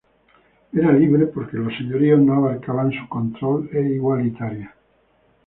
Era libre, porque los señoríos no abarcaban su control e igualitaria.